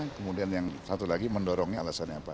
kemudian yang satu lagi mendorongnya alasannya apa